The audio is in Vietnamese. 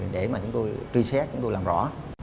để mà chúng tôi truy xét chúng tôi làm rõ